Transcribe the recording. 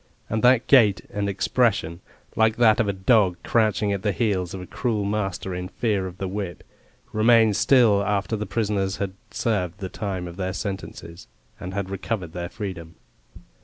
And that gait and expression, like that of a dog crouching at the heels of a cruel master in fear of the whip, remained still after the prisoners had served the time of their sentences, and had recovered their freedom.